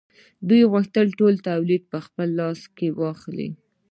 دوی غوښتل ټول تولید په خپل لاس کې واخلي